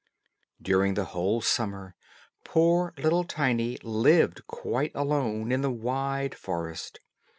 During the whole summer poor little Tiny lived quite alone in the wide forest.